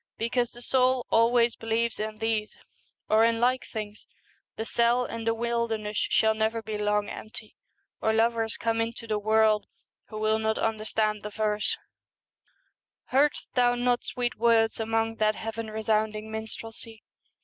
Because the soul always believes in these, or in like things, the cell and the wilderness shall never be long empty, or lovers come into the world who will not understand the verse — 1 Heardst thou not sweet words among That heaven resounding minstrelsy?